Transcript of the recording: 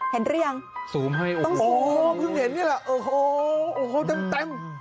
เห็นหรือยังต้องสูมให้โอ้โฮเพิ่งเห็นนี่แหละโอ้โฮแป้ม